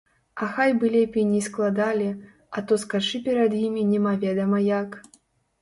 А хай бы лепей не складалі, а то скачы перад імі немаведама як!